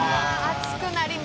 熱くなる。